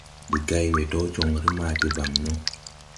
Ndi gay we dɔɔ jɔŋre ma debaŋ no.